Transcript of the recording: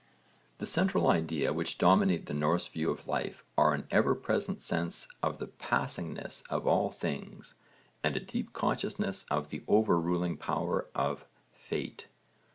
The central ideas which dominate the Norse view of life are an ever present sense of the passingness of all things and a deep consciousness of the over ruling power of Fate.